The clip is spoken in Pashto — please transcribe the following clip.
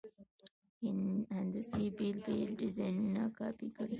هندسي بېل بېل ډیزاینونه کاپي کړئ.